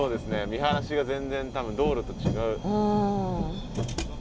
見晴らしが全然道路と違う。